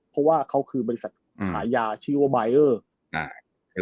เพราะว่าเขาคือรกิซัตริยาชื่อไบเวอร์